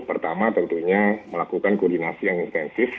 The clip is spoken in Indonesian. pertama tentunya melakukan koordinasi yang intensif